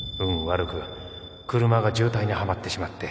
悪く車が渋滞にはまってしまって